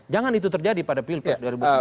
jangan itu terjadi pada pilpres